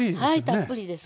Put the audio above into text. たっぷりです。